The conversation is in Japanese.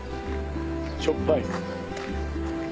しょっぱい。